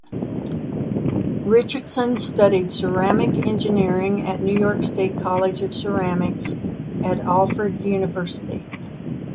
Richardson studied ceramic engineering at New York State College of Ceramics at Alfred University.